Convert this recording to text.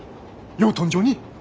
養豚場に。